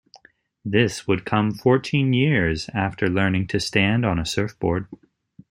This would come fourteen years after learning to stand on a surfboard.